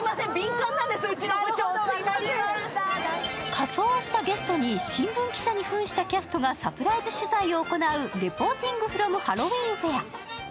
仮装をしたゲストに新聞記者にふんしたキャストがサプライズ取材を行うレポーティング・フロム・ハロウィーンフェア。